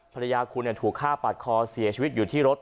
ภรรยาคุณถูกฆ่าปาดคอเสียชีวิตอยู่ที่รถ